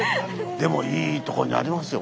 でもいいとこにありますよ。